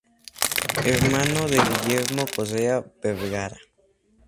Hermano de Guillermo Correa Vergara.